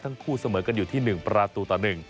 ทั้งคู่เสมอกันอยู่ที่๑ประตูต่อ๑